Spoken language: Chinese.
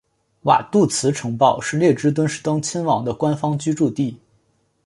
瓦杜茨城堡是列支敦士登亲王的官方居住地。